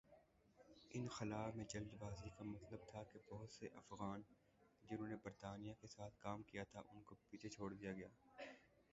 انخلا میں جلد بازی کا مطلب تھا کہ بہت سے افغان جنہوں نے برطانیہ کے ساتھ کام کیا تھا ان کو پیچھے چھوڑ دیا گیا۔